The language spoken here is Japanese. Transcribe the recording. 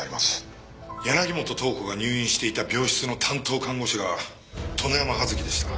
柳本塔子が入院していた病室の担当看護師が殿山葉月でした。